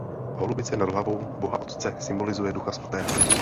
Holubice nad hlavou Boha Otce symbolizuje "Ducha svatého".